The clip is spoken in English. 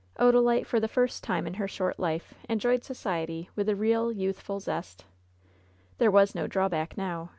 Odalite, for the first time in her short life, enjoyed society with a real youthful zest. There was no drawback now.